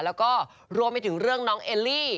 แล้วก็รวมไปถึงเรื่องน้องเอลลี่